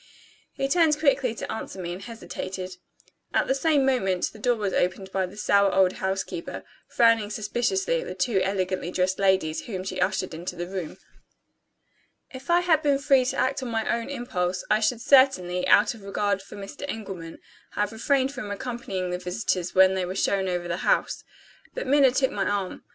He turned quickly to answer me, and hesitated. At the same moment, the door was opened by the sour old housekeeper, frowning suspiciously at the two elegantly dressed ladies whom she ushered into the room. If I had been free to act on my own impulse, I should certainly (out of regard for Mr. Engelman) have refrained from accompanying the visitors when they were shown over the house. But Minna took my arm.